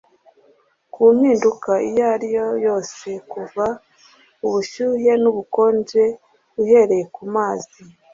Ku mpinduka iyo ari yo yose kuva ubushyuhe n'ubukonje, uhereye kumazi